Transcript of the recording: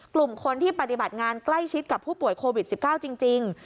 กลุ่มคนที่ปฏิบัติงานใกล้ชิดกับผู้ป่วยโควิด๑๙จริง